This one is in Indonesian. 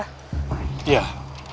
aku adalah anakmu